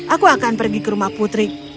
aku akan pergi ke rumah putri